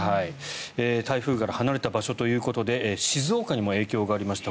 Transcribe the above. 台風から離れた場所ということで静岡にも影響がありました。